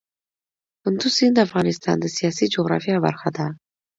کندز سیند د افغانستان د سیاسي جغرافیه برخه ده.